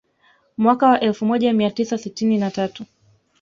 Mwaka wa elfu moja mia tisa sitini na tatu